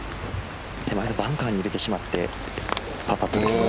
手前のバンカーに入れてしまってパーパットです。